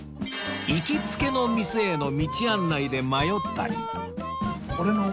行きつけの店への道案内で迷ったり